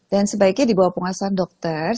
dan sebaiknya di bawah penguasaan dokter